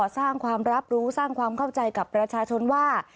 สร้างความรับรู้สร้างความเข้าใจกับประชาชนว่า